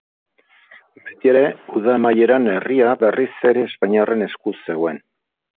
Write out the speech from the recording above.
Beti ere, uda amaieran herria berriz ere espainiarren esku zegoen.